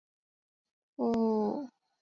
富后拉讷夫维勒人口变化图示